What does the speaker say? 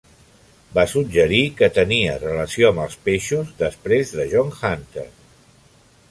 Va suggerir que tenia relació amb els peixos després de John Hunter.